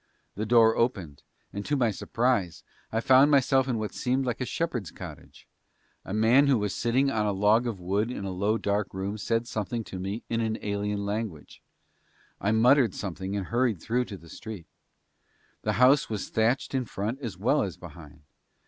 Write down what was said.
The door opened, and to my surprise I found myself in what seemed like a shepherd's cottage; a man who was sitting on a log of wood in a little low dark room said something to me in an alien language. I muttered something and hurried through to the street. The house was thatched in front as well as behind.